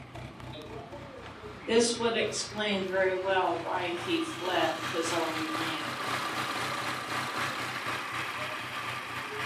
This would explain very well why he fled his own land.